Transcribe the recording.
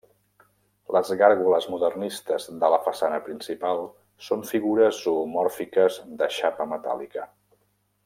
Les gàrgoles modernistes de la façana principal són figures zoomòrfiques de xapa metàl·lica.